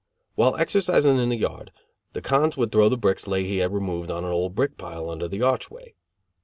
While exercising in the yard, the cons would throw the bricks Leahy had removed on an old brick pile under the archway.